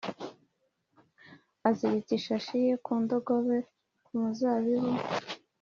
Aziritse ishashi ye y indogobe ku muzabibu